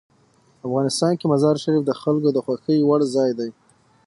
افغانستان کې مزارشریف د خلکو د خوښې وړ ځای دی.